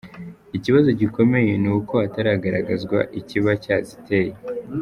Ikibazo gikomeye ni uko hatagaragazwa ikiba cyaziteye.